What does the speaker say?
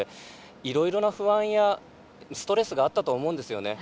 いろいろな不安やストレスがあったと思うんですよね。